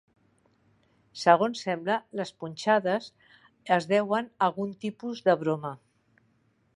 Segons sembla, les punxades es deuen a algun tipus de broma.